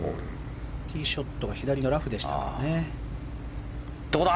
ティーショットが左のラフでしたね。